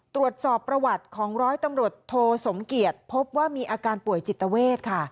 ตรวจสอบประวัติของร้อยตำรวจโทสมเกียจพบว่ามีอาการป่วยจิตเวทค่ะ